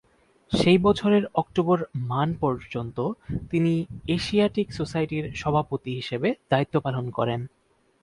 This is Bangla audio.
সেই বছরের অক্টোবর মান পর্যন্ত তিনি এশিয়াটিক সোসাইটির সভাপতি হিসেবে দায়িত্ব পালন করেন।